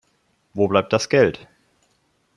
Wo bleibt das Geld?